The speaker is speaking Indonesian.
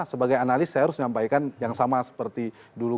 sebagai analis saya harus menyampaikan yang sama seperti dulu